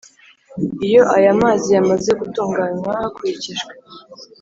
iyo ayo mazi yamaze gutunganywa hakurikijwe